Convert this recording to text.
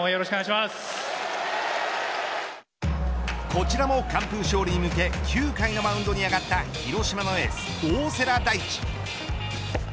こちらも完封勝利に向け９回のマウンドに上がった広島のエース大瀬良大地。